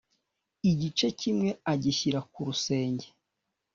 igice kimwe agishyira ku rusenge,